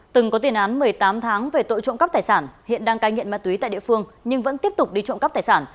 từng có tiền án một mươi tám tháng về tội trộm cắp tài sản hiện đang cai nghiện ma túy tại địa phương nhưng vẫn tiếp tục đi trộm cắp tài sản